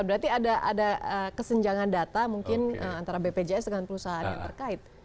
berarti ada kesenjangan data mungkin antara bpjs dengan perusahaan yang terkait